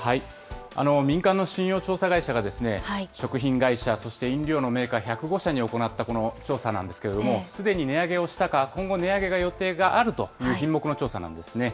民間の信用調査会社が食品会社、そして飲料のメーカー１０５社に行ったこの調査なんですけれども、すでに値上げをしたか、今後、値上げの予定があるという品目の調査なんですね。